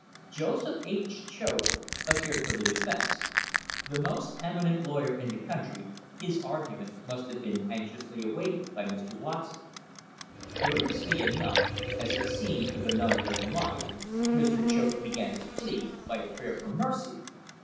Joseph H. Choate appeared for the defence. The most eminent lawyer in the country, his argument must have been anxiously awaited by Mr. Watson. Curiously enough, as it seems to the non legal mind, Mr. Choate began his plea by a prayer for mercy.